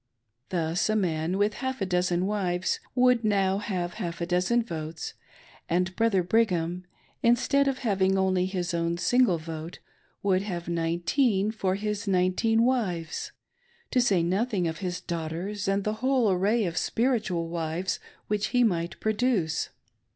Thus, a man with half a dozen wives would now have half a dozen votes, and Brother Brigham, instead of having only his own single vote, would have nineteen for his nineteen wives, to say nothing of his daughters and the whole army of spiritual wives which he might' produce.